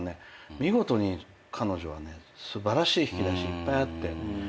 見事に彼女はね素晴らしい引き出しいっぱいあって。